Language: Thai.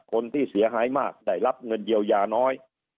คนที่เสียหายมากได้รับเงินเยียวยาน้อย